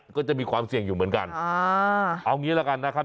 ก็จะมีความเสี่ยงอยู่เหมือนกันอ่าเอางี้ละกันนะครับ